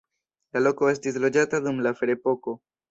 La loko estis loĝata dum la ferepoko.